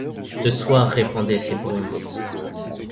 Le soir répandait ses brumes.